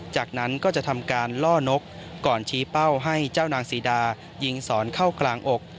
จากนั้นก็จะทำการล่อนกก่อนชี้เป้าให้เจ้านางซีดายิงสอนเข้ากลางอก